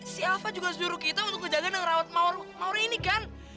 si alva juga suruh kita untuk ngejaga dan ngerawat maori ini kan